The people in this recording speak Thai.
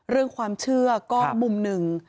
เรื่องความเชื่อก็มุมหนึ่ง